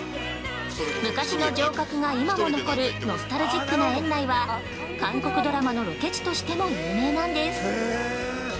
昔の城郭が今も残るノスタルジックな園内は韓国ドラマのロケ地としても有名なんです。